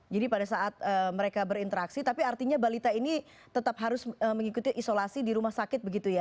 jadi pada saat mereka berinteraksi tapi artinya balita ini tetap harus mengikuti isolasi di rumah sakit begitu ya